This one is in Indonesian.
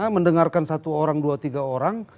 mendengarkan satu orang dua tiga orang